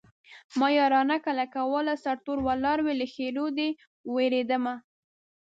ما يارانه کله کوله سرتور ولاړ وې له ښېرو دې وېرېدمه